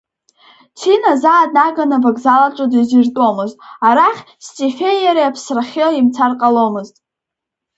Ҭина заа днаганы авокзал аҿы дизыртәомызт, арахь, Стефеи иареи аԥсрахьы имцар ҟаломызт.